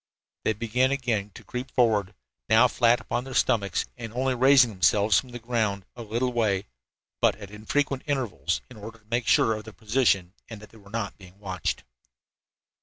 They began again to creep forward, now flat upon their stomachs, and only raising themselves from the ground a little way, but at infrequent intervals, in order to make sure of their position and that they were not being watched.